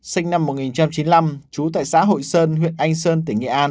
sinh năm một nghìn chín trăm chín mươi năm trú tại xã hội sơn huyện anh sơn tỉnh nghệ an